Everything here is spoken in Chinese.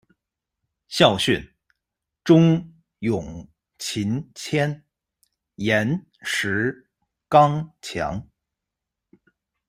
校训：忠、勇、勤、谦、严、实、刚、强